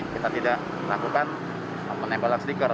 kita tidak melakukan penembakan stiker